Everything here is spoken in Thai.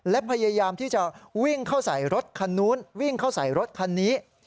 และพยายามที่จะวิ่งเข้าใส่รถคันนู้นวิ่งเข้าใส่รถคันนี้